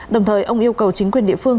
đồng thời ông yêu cầu chính quyền địa phương